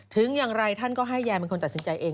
ถึงอย่างไรท่านก็ให้ยายเป็นคนตัดสินใจเอง